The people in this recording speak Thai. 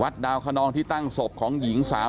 ดาวคนองที่ตั้งศพของหญิงสาว